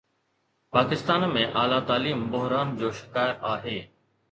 پاڪستان ۾ اعليٰ تعليم بحران جو شڪار آهي.